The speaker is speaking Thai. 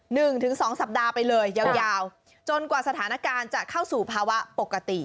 หนึ่งถึงสองสัปดาห์ไปเลยยาวยาวจนกว่าสถานการณ์จะเข้าสู่ภาวะปกติ